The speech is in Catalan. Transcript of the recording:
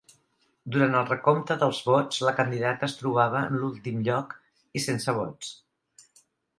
Durant el recompte dels vots, la candidata es trobava en l'últim lloc i sense vots.